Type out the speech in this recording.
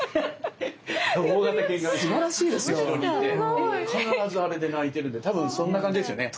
大型犬が後ろにいて必ずあれで鳴いてるんで多分そんな感じですよね。